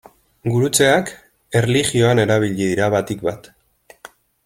Gurutzeak, erlijioan erabili dira batik bat.